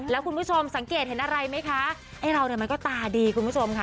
แล้วคุณผู้ชมสังเกตเห็นอะไรไหมคะไอ้เราเนี่ยมันก็ตาดีคุณผู้ชมค่ะ